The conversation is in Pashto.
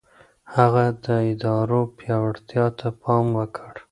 هغه د ادارو پياوړتيا ته پام وکړ.